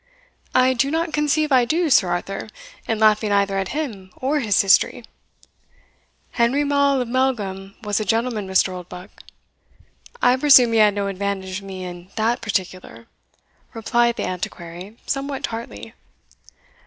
"I do not conceive I do, Sir Arthur, in laughing either at him or his history." "Henry Maule of Melgum was a gentleman, Mr. Oldbuck." "I presume he had no advantage of me in that particular," replied the Antiquary, somewhat tartly.